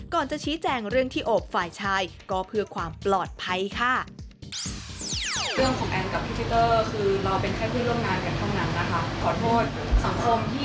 จะชี้แจงเรื่องที่โอบฝ่ายชายก็เพื่อความปลอดภัยค่ะ